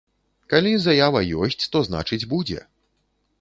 Калі заява ёсць, то значыць будзе.